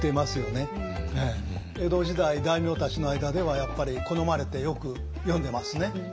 江戸時代大名たちの間ではやっぱり好まれてよく読んでますね。